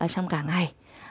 trong cả ngày